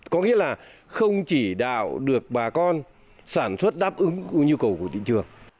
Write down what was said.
có nghĩa là không chỉ đạo được bà con sản xuất đáp ứng nhu cầu của thị trường